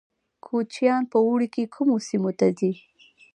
کوچیان په اوړي کې کومو سیمو ته ځي؟